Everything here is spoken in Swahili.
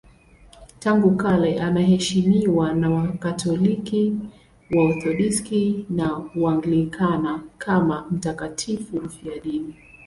Tangu kale anaheshimiwa na Wakatoliki, Waorthodoksi na Waanglikana kama mtakatifu mfiadini.